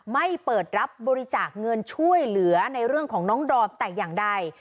ไม่เปิดรับบริจาคเงินช่วยเหลือในเรื่องของน้องดอมแต่อย่างใด